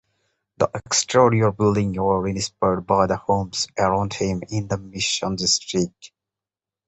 The exterior buildings were inspired by the homes around him in the Mission District.